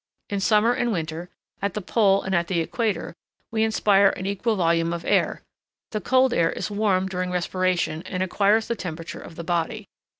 In summer and winter, at the pole and at the equator, we inspire an equal volume of air; the cold air is warmed during respiration and acquires the temperature of the body.